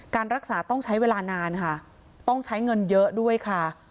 การรักษาต้องใช้เวลานานค่ะต้องใช้เงินเยอะด้วยค่ะ